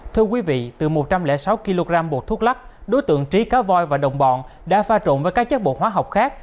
thưa quý vị từ một trăm linh sáu kg bột thuốc lắc đối tượng trí cá voi và đồng bọn đã pha trộn với các chất bộ hóa học khác